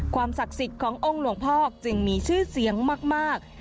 ศักดิ์สิทธิ์ขององค์หลวงพ่อจึงมีชื่อเสียงมาก